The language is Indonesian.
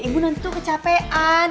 ibu nanti tuh kecapean